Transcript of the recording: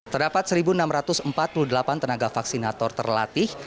terdapat satu enam ratus empat puluh delapan tenaga vaksinator terlatih